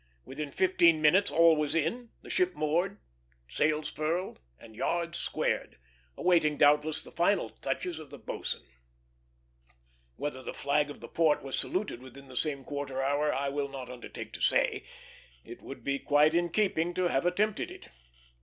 Within fifteen minutes all was in, the ship moored, sails furled, and yards squared, awaiting doubtless the final touches of the boatswain. Whether the flag of the port was saluted within the same quarter hour, I will not undertake to say; it would be quite in keeping to have attempted it.